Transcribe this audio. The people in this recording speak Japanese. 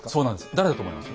誰だと思います？